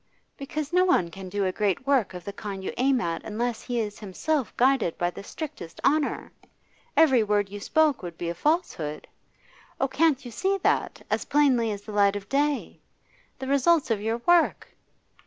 'Because no one can do great work of the kind you aim at unless he is himself guided by the strictest honour. Every word you spoke would be a falsehood. Oh, can't you see that, as plainly as the light of day? The results of your work!